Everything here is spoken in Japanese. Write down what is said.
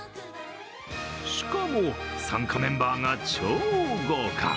しかも、参加メンバーが超豪華。